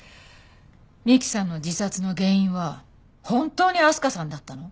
美希さんの自殺の原因は本当に明日香さんだったの？